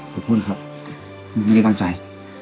ขอบคุณครับไม่ได้ตั้งใจ